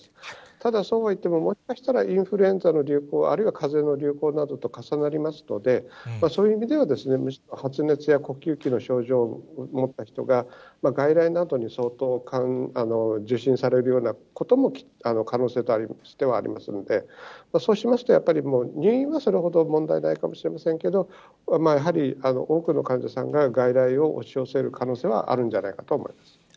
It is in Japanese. ただ、そうはいっても、もしかしたらインフルエンザの流行、あるいはかぜの流行などと重なりますので、そういう意味では、発熱や呼吸器の症状を持った人が外来などに相当受診されるようなことも可能性としてはありますので、そうしますと、やっぱり入院はそれほど問題ないかもしれませんけれども、やはり、多くの患者さんが外来を押し寄せる可能性はあるんじゃないかと思